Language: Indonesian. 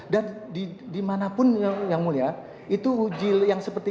dan dimanapun yang mulia itu uji yang seperti